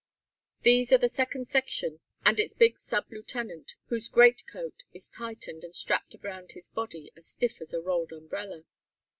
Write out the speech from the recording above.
These are the second section and its big sub lieutenant, whose greatcoat is tightened and strapped around a body as stiff as a rolled umbrella.